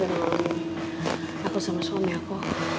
aku sama suami aku